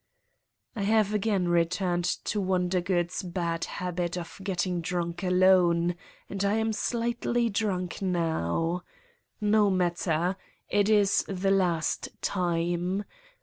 I have again returned to Wondergood's bad habit of getting drunk alone and I am slightly drunk now. No matter. It is the last time.